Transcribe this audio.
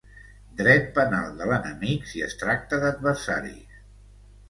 Dret penal de l’enemic si es tracta d’adversaris.